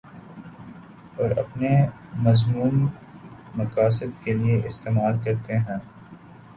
اور اپنے مذموم مقاصد کے لیے استعمال کرتے ہیں